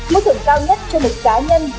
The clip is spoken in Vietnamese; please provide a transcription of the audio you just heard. mức thưởng cao nhất cho một cá nhân